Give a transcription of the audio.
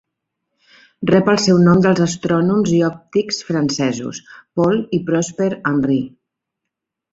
Rep el seu nom dels astrònoms i òptics francesos, Paul i Prosper Henry.